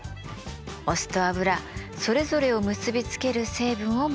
お酢と油それぞれを結び付ける成分を持っています。